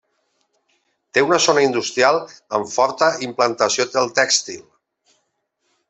Té una zona industrial amb forta implantació del tèxtil.